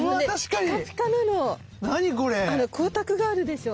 あの光沢があるでしょ？